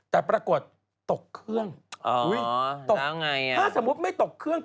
ถ้าสมมุติไม่ตกเครื่อง